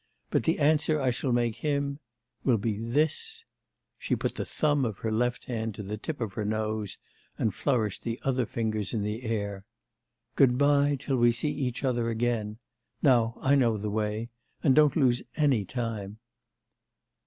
But the answer I shall make him will be this ' She put the thumb of her left hand to the tip of her nose and flourished the other fingers in the air. 'Good bye till we see each other again. Now, I know the way... And don't lose any time.